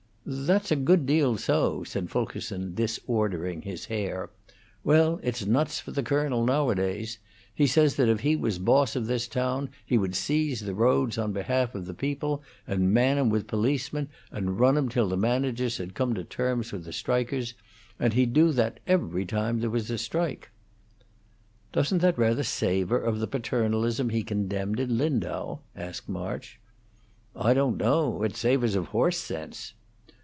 "That's a good deal so," said Fulkerson, disordering his hair. "Well, it's nuts for the colonel nowadays. He says if he was boss of this town he would seize the roads on behalf of the people, and man 'em with policemen, and run 'em till the managers had come to terms with the strikers; and he'd do that every time there was a strike." "Doesn't that rather savor of the paternalism he condemned in Lindau?" asked March. "I don't know. It savors of horse sense."